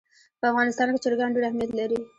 په افغانستان کې چرګان ډېر اهمیت لري.